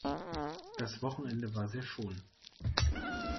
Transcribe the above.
Das Wochenende war sehr schón.